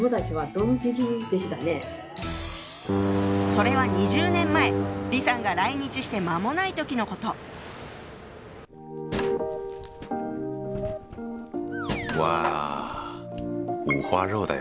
それは２０年前李さんが来日して間もない時のこと。わ。